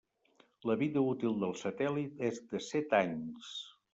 La vida útil del satèl·lit és de set anys.